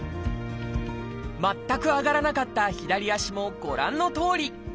全く上がらなかった左足もご覧のとおり！